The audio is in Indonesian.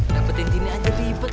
yang penting tini aja ribet